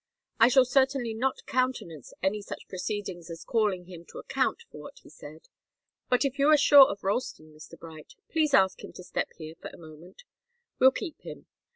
I shall certainly not countenance any such proceedings as calling him to account for what he said. But if you are sure of Ralston, Mr. Bright, please ask him to step here for a moment. We'll keep him.